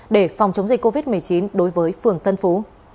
để phòng chống dịch covid một mươi chín đối với phường tân phú